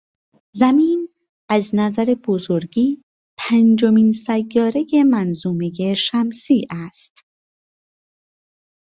زمین از نظر بزرگی پنجمین سیارهی منظومهی شمسی است.